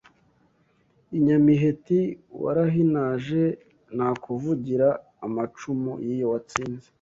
I Nyamiheti warahinaje Nakuvugira amacumu y’iyo watsinze